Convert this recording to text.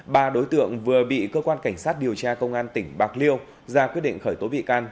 ba đối tượng vừa bị cơ quan cảnh sát điều tra công an tỉnh bạc liêu ra quyết định khởi tố bị can